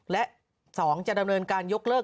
และ๒จะดำเนินการยกเลิก